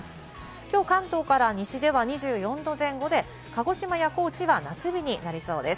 きょう関東から西では２４度前後で、鹿児島や高知は夏日になりそうです。